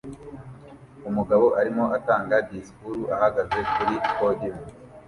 Umugabo arimo atanga disikuru ahagaze kuri podium